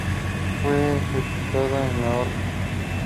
Fue ejecutada en la horca.